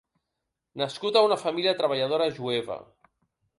Nascut a una família treballadora jueva.